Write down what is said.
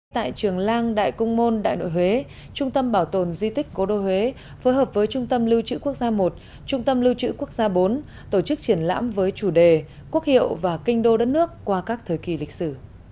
tại trường lang đại cung môn đại nội huế trung tâm bảo tồn di tích cố đô huế phối hợp với trung tâm lưu trữ quốc gia i trung tâm lưu trữ quốc gia bốn tổ chức triển lãm với chủ đề quốc hiệu và kinh đô đất nước qua các thời kỳ lịch sử